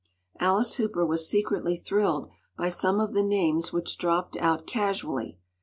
Alice Hooper was secretly thrilled by some of the names which dropped out casually.